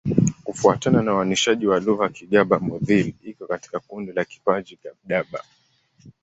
Kufuatana na uainishaji wa lugha, Kigadaba-Mudhili iko katika kundi la Kiparji-Gadaba.